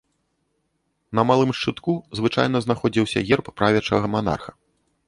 На малым шчытку звычайна знаходзіўся герб правячага манарха.